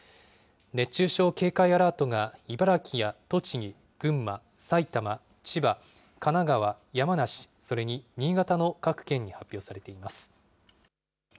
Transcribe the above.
熱中症警戒アラートが茨城や栃木、群馬、埼玉、千葉、神奈川、山梨、それに新潟の各県に発表されています。